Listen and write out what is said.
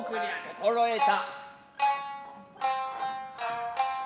心得た。